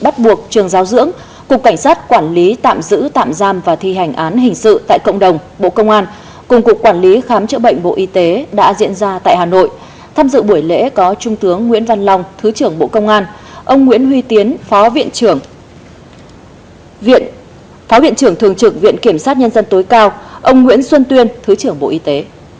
trung tướng nguyễn văn long thứ trưởng bộ công an ông nguyễn huy tiến phó viện trưởng thường trực viện kiểm sát nhân dân tối cao ông nguyễn xuân tuyên thứ trưởng bộ y tế